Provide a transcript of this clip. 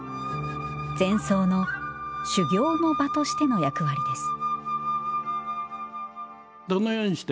禅僧の「修行の場」としての役割です